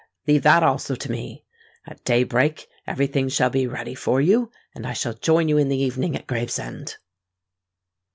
"Leave that also to me. At day break every thing shall be ready for you; and I shall join you in the evening at Gravesend."